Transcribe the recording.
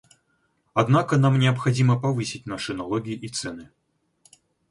Однако нам необходимо повысить наши налоги и цены.